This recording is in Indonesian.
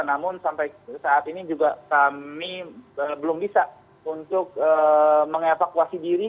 namun sampai saat ini juga kami belum bisa untuk mengevakuasi diri